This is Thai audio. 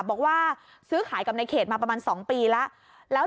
บอกว่าซื้อขายกับในเขตมาประมาณ๒ปีแล้ว